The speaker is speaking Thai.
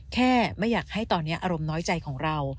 ไม่อยากให้ตอนนี้อารมณ์น้อยใจของเรา